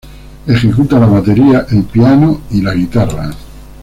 Ejecuta la batería, el piano y la guitarra.